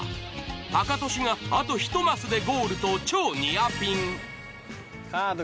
タカトシがあと１マスでゴールと超ニアピン。